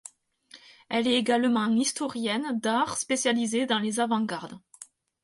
Elle est également historienne d'art spécialisée dans les avant-gardes.